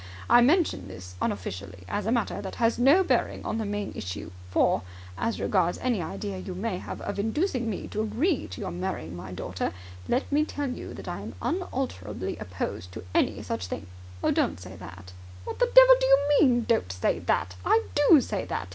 I mention this unofficially, as a matter that has no bearing on the main issue; for, as regards any idea you may have of inducing me to agree to your marrying my daughter, let me tell you that I am unalterably opposed to any such thing!" "Don't say that." "What the devil do you mean don't say that! I do say that!